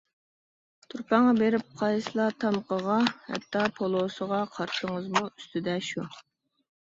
تۇرپانغا بېرىپ قايسىلا تامىقىغا، ھەتتا پولۇسىغا قارىسىڭىزمۇ ئۈستىدە شۇ.